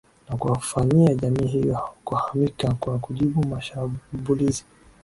na kuwafanyia jamii hiyo kuhamaki kwa kujibu mashabulizi